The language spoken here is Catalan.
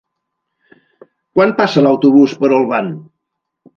Quan passa l'autobús per Olvan?